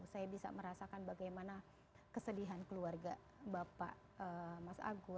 saya bisa merasakan bagaimana kesedihan keluarga bapak mas agus mas ibas mbak anissa mbak alia semua cucu cucu